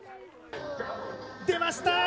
出ました！